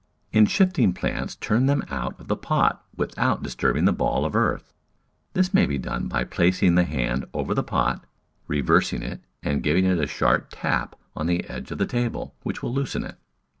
In shifting plants turn them out of the pot with out disturbing the ball of earth. This may be done by placing the hand over the pot, reversing it and giv ing it a sharp tap on the edge of the table, which will loosen it.